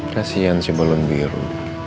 kasihan si balon biru